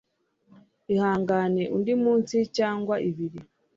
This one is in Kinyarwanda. Ihangane undi munsi cyangwa ibiri